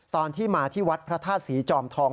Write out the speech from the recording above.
ตอนที่มาที่วัดพระธาตุศรีจอมทอง